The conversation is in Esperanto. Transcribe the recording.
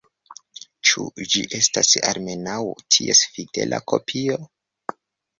Ĉu ĝi estas almenaŭ ties fidela kopio?